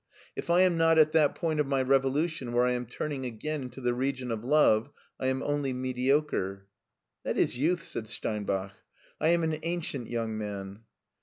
If I am not at that point of my revolution where I am turning again into the region of love, I am only mediocre/* " That is youth," said Steinbach ;" I am an ancient young man.